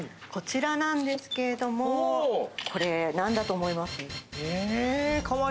こちらなんですけれど、これ、なんだと思いますか？